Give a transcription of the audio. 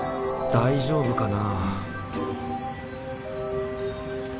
大丈夫かな？